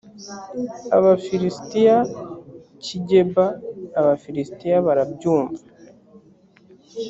abafilisitiya cy’i geba. abafilisitiya barabyumva